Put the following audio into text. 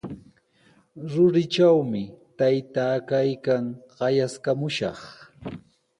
Ruritrawmi taytaa kaykan, qayaskamushaq.